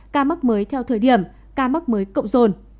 ca mắc mới theo thời điểm ca mắc mới cộng rồn